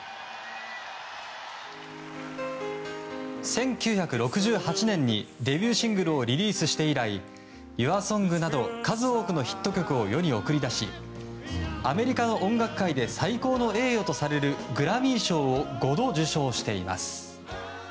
１９６８年にデビューシングルをリリースして以来「ＹｏｕｒＳｏｎｇ」など数多くのヒット曲を世に送り出しアメリカの音楽界で最高の栄誉とされるグラミー賞を５度受賞しています。